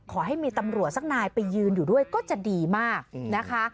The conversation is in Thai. ขอให้มีตำรวจสักนายไปยืนอยู่ด้วยก็จะดีมากนะคะ